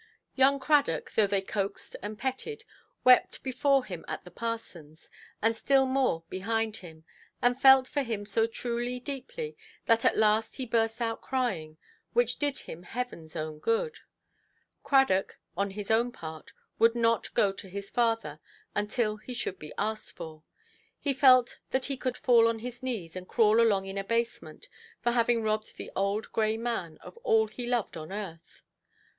Young Cradock, though they coaxed and petted, wept before him at the parsonʼs, and still more behind him, and felt for him so truly deeply that at last he burst out crying (which did him Heavenʼs own good)—Cradock, on his part, would not go to his father, until he should be asked for. He felt that he could fall on his knees, and crawl along in abasement, for having robbed the old grey man of all he loved on earth.